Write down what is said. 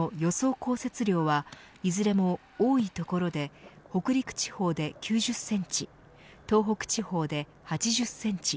降雪量はいずれも多い所で北陸地方で９０センチ東北地方で８０センチ